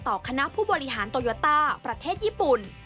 คณะผู้บริหารโตโยต้าประเทศญี่ปุ่น